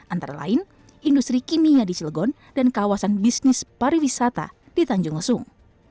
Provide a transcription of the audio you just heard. antara lain industri kimia di cilegon dan kawasan bisnis pariwisata di tanjung lesung